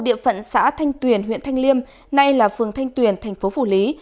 địa phận xã thanh tuyền huyện thanh liêm nay là phường thanh tuyền thành phố phủ lý